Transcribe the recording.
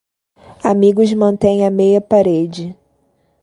Amigos mantêm a meia parede.